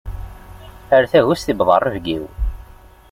Ar tagust yewweḍ rrebg-iw.